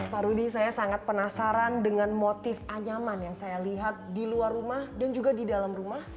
pak rudy saya sangat penasaran dengan motif anyaman yang saya lihat di luar rumah dan juga di dalam rumah